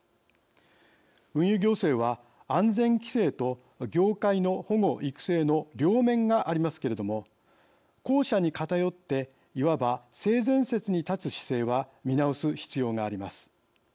運輸行政は安全規制と業界の保護・育成の両面がありますけれども後者に偏っていわば、性善説に立つ姿勢は見直す必要があります。